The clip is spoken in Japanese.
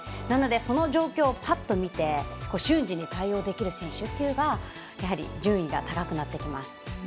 なので、その状況をパッと見て瞬時に対応できる選手というのが順位が高くなってきます。